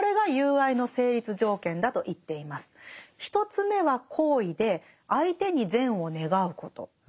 １つ目は好意で相手に善を願うこと。